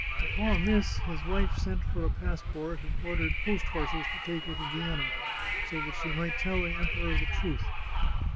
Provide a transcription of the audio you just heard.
Upon this, his 19 The Chartreuse of Parma wife sent for a passport and ordered post horses to take her to Vienna, so that she might tell the Emperor the truth.